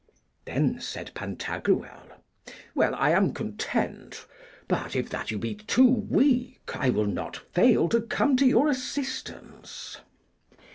Then said Pantagruel, Well, I am content; but, if that you be too weak, I will not fail to come to your assistance.